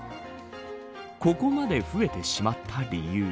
ここまで増えてしまった理由。